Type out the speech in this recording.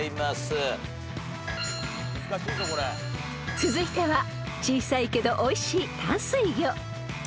［続いては小さいけどおいしい淡水魚］